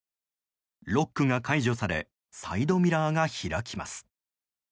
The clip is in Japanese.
ロックが解除されサイドミラーが開きます。